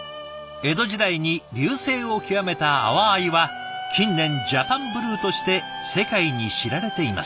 江戸時代に隆盛を極めた阿波藍は近年ジャパンブルーとして世界に知られています。